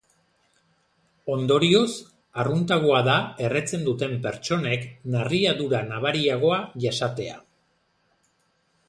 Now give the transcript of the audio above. Ondorioz, arruntagoa da erretzen duten pertsonek narriadura nabariagoa jasatea.